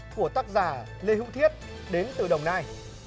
của tác giả lê hữu thiết đến từ đồng nai